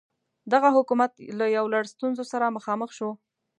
دغه حکومت له یو لړ ستونزو سره مخامخ شو.